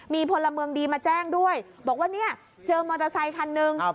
มีพลเมืองดีมาแจ้งด้วยบอกว่าเนี่ยเจอมอเตอร์ไซคันหนึ่ง